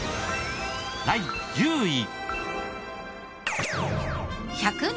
第１０位。